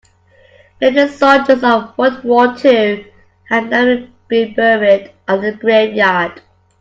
Many soldiers of world war two have never been buried on a grave yard.